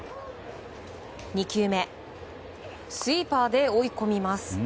２球目、スイーパーで追い込みます。